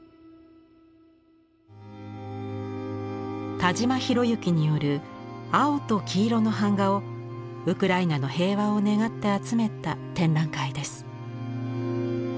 田嶋宏行による青と黄色の版画をウクライナの平和を願って集めた展覧会です。